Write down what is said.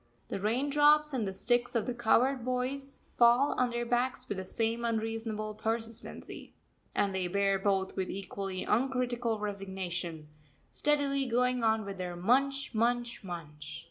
The raindrops and the sticks of the cowherd boys fall on their backs with the same unreasonable persistency, and they bear both with equally uncritical resignation, steadily going on with their munch, munch, munch.